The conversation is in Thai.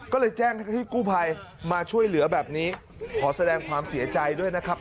ก็เลยแจ้งให้กู้ภัยมาช่วยเหลือแบบนี้ขอแสดงความเสียใจด้วยนะครับ